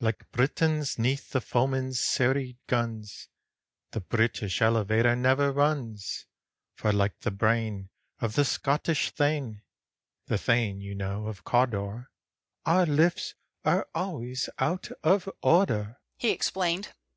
"Like Britons 'neath the foeman's serried guns, The British elevator never runs, For like the brain of the Scottish Thane, The Thane, you know, of Cawdor, Our lifts are always out of order," he explained.